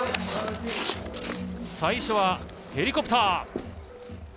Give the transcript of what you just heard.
最初はヘリコプター。